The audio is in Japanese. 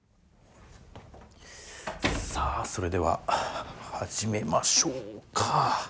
さあ、それでは始めましょうか。